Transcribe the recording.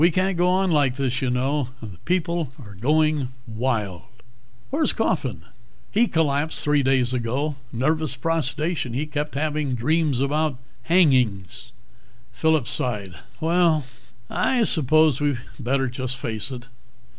"We can't go on like this, you know. The people are going wild." "Where's Coffin?" "He collapsed three days ago. Nervous prostration. He kept having dreams about hangings." Phillip sighed. "Well, I suppose we'd better just face it.